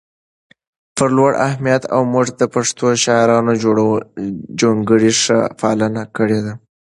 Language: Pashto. په لوړ همت او مټ د پښتو شاعرانه جونګړې ښه پالنه کړي ده